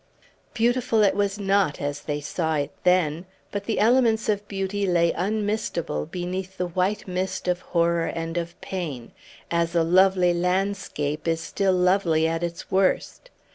Beautiful it was not as they saw it then, but the elements of beauty lay unmistable beneath a white mist of horror and of pain, as a lovely landscape is still lovely at its worst.